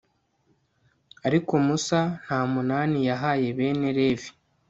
ariko musa nta munani yahaye bene levi